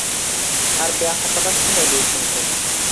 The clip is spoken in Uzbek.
Tarbiya haqida shunday deyish mumkin.